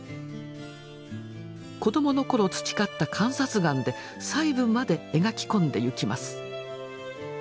子どもの頃培った観察眼で細部まで描き込んでいきます。